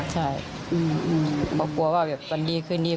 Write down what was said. ใช่เพราะกลัวว่าแบบวันดีคืนดี